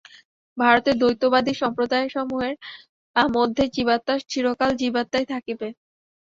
ভারতের দ্বৈতবাদী সম্প্রদায়সমূহের মতে জীবাত্মা চিরকাল জীবাত্মাই থাকিবে।